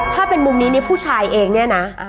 ถ้าเป็นมุมนี้นี่ผู้ชายเองเนี่ยนะ